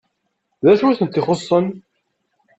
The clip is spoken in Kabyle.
D acu i tent-ixuṣṣen?